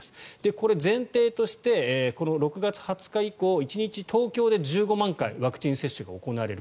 これ、前提として６月２０日以降１日、東京で１５万回ワクチン接種が行われる。